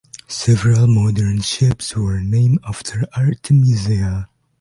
Several modern ships were named after Artemisia.